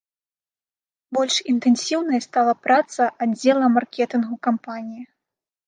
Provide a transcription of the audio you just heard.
Больш інтэнсіўнай стала праца аддзела маркетынгу кампаніі.